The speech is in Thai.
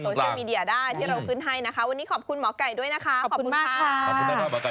ที่เราคืนให้นะครับวันนี้ขอบคุณหมอไก่ด้วยนะครับ